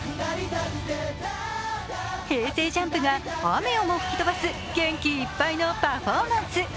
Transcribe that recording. ＪＵＭＰが雨をも吹き飛ばす元気いっぱいのパフォーマンス。